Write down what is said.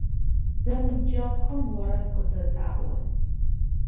Зэныбджэгъухэм орэд къызэдаӏо.